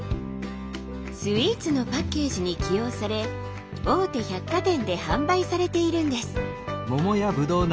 スイーツのパッケージに起用され大手百貨店で販売されているんです。